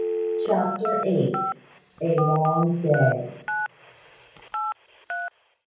CHAPTER EIGHT. A LONG DAY.